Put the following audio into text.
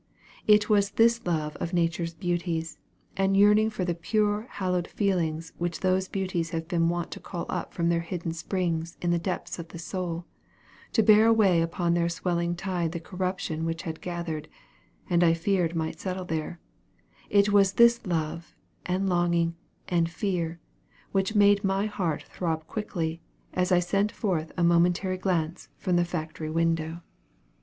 It was this love of nature's beauties, and a yearning for the pure hallowed feelings which those beauties had been wont to call up from their hidden springs in the depths of the soul, to bear away upon their swelling tide the corruption which had gathered, and I feared might settle there, it was this love, and longing, and fear, which made my heart throb quickly, as I sent forth a momentary glance from the factory window.